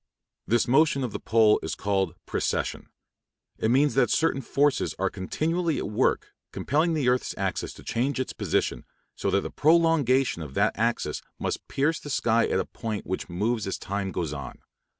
This motion of the pole is called precession. It means that certain forces are continually at work, compelling the earth's axis to change its position, so that the prolongation of that axis must pierce the sky at a point which moves as time goes on.